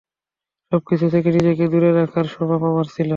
সবকিছু থেকে নিজেকে দূরে-দূরে রাখার স্বভাব আমার ছিল।